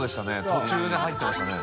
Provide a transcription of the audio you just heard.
途中で入ってましたね。